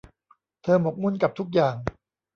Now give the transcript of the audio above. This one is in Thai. เธอหมกมุ่นกับทุกอย่าง